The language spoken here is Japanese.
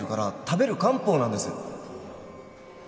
食べる漢方なんです